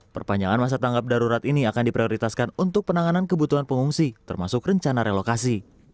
perpanjangan masa tanggap darurat ini akan diprioritaskan untuk penanganan kebutuhan pengungsi termasuk rencana relokasi